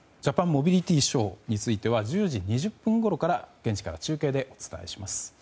モビリティショーについては１０時２０分ごろから現地で中継でお伝えします。